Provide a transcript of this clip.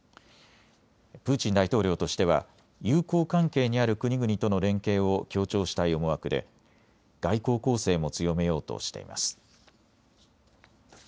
プーチン大統領としては友好関係にある国々との連携を強調したい思惑で外交攻勢も強めようとしています。